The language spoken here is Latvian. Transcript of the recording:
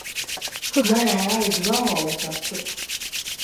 Pļavā aug zāle taču.